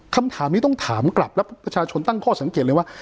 คำถามนี้ต้องถามกลับแล้วประชาชนตั้งข้อสังเกตเลยว่า